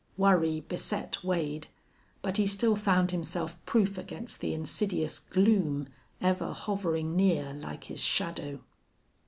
Worry beset Wade, but he still found himself proof against the insidious gloom ever hovering near, like his shadow.